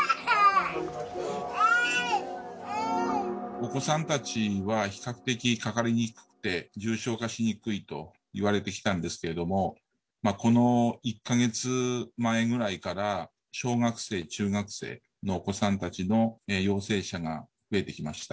お子さんたちは比較的かかりにくくて、重症化しにくいといわれてきたんですけれども、この１か月前ぐらいから小学生、中学生のお子さんたちの陽性者が増えてきました。